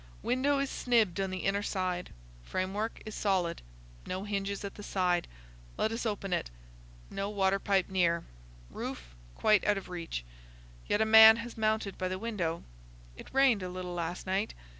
"Window is snibbed on the inner side. Framework is solid. No hinges at the side. Let us open it. No water pipe near. Roof quite out of reach. Yet a man has mounted by the window. It rained a little last night.